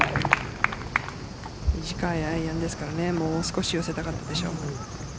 短いアイアンですからもう少し寄せたかったです。